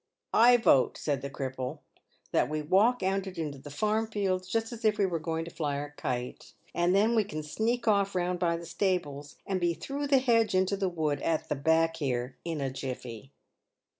" I vote," said the cripple, "that we walk out into the farm fields, just as if we were going to fly our kite, and then we can sneak off round by the stables, and be through the hedge into the wood, at the back here, in a jiffy."